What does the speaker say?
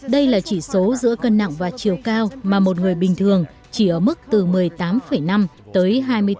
đây là chỉ số giữa cân nặng và chiều cao mà một người bình thường chỉ ở mức từ một mươi tám năm tới hai mươi bốn